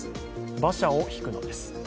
馬車を引くのです。